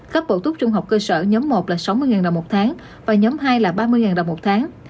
cấp bột trung học cơ sở nhóm một là sáu mươi đồng một tháng và nhóm hai là ba mươi đồng một tháng